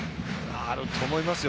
あると思いますよ。